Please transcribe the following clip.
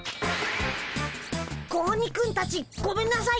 子鬼くんたちごめんなさい。